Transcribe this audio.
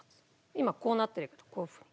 今こうなってるけどこういうふうに。